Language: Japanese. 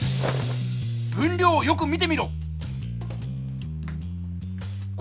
分量をよく見てみろ！